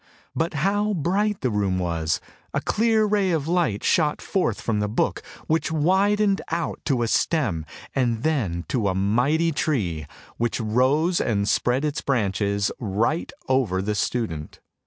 But how bright the room was ! A clear ray of light shot forth from the book, which widened out to a stem, and then to a mighty tree, which rose and spread its branches right over the student.